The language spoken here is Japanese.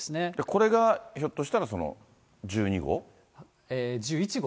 これがひょっとしたらその１２号？１１号。